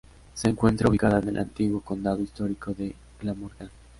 Se encuentra ubicada en el antiguo condado histórico de Glamorgan.